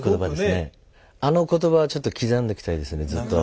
あの言葉はちょっと刻んでおきたいですねずっと。